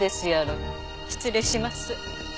失礼します。